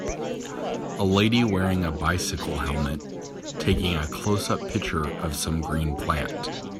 A lady wearing a bicycle helmet taking a closeup picture of some green plant.